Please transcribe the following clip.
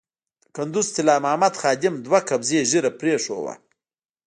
د کندز طلا محمد خادم دوه قبضې ږیره پرېښوده.